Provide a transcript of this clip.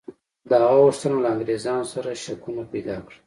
د هغه غوښتنه له انګرېزانو سره شکونه پیدا کړل.